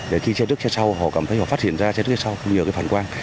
để khi xe trước xe sau họ cảm thấy họ phát hiện ra xe trước xe sau nhiều cái phản quang